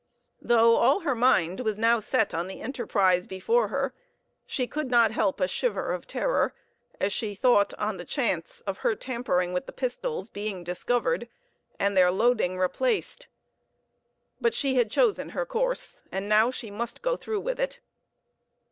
Though all her mind was now set on the enterprise before her, she could not help a shiver of terror as she thought on the chance of her tampering with the pistols being discovered, and their loading replaced. But she had chosen her course, and now she must go through with it.